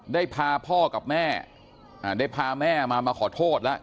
ได้พาพ่อกับแม่ได้พาแม่มามาขอโทษแล้ว